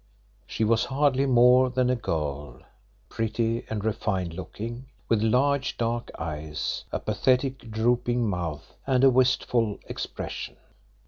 She was hardly more than a girl, pretty and refined looking, with large dark eyes, a pathetic drooping mouth, and a wistful expression.